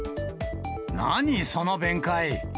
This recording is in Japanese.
何その弁解。